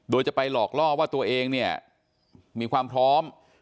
โดยจะไปหลอกล่อว่าตัวเองเนี่ยมีความพร้อม